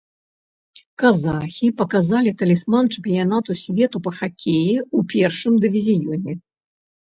Казахі паказалі талісман чэмпіянату свету па хакеі ў першым дывізіёне.